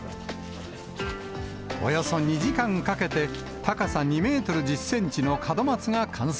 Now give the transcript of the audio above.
およそ２時間かけて、高さ２メートル１０センチの門松が完成。